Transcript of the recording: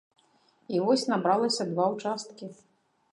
І вось набралася два ўчасткі.